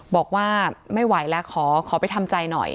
บอกว่าไม่ไหวแล้วขอไปทำใจหน่อย